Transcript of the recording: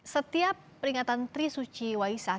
setiap peringatan tri suci waisak